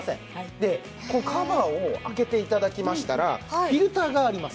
でこうカバーを開けて頂きましたらフィルターがあります。